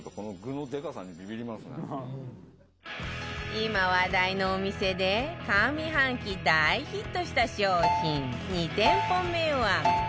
今話題のお店で上半期大ヒットした商品２店舗目は